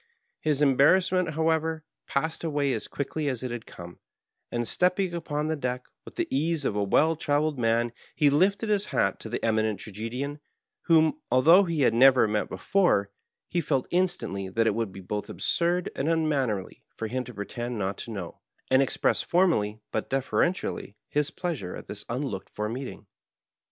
His embarrassment, however, passed away as quickly as it had come, and, stepping upon the deck, with the ease of a well trayeled man, he lifted his hat to the Eminent Tragedian, whom, although he had never met before, he felt instantly that it would be both absurd and unmannerly for him to pretend not to know, and expressed formally but deferentially his pleasure at this unlooked for meeting.